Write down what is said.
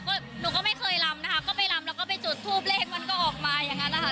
ก็หนูก็ไม่เคยลำนะคะก็ไปลำแล้วก็ไปจุดทูปเลขมันก็ออกมาอย่างนั้นนะคะ